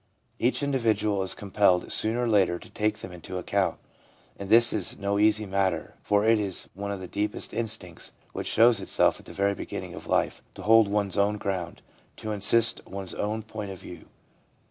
Each individual is compelled sooner or later to take them into account ; and this is no easy matter, for it is one of the deepest instincts, which shows itself at the very beginning of life, to hold one's own ground, to insist on one's own point of view.